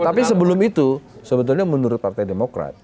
tapi sebelum itu sebetulnya menurut partai demokrat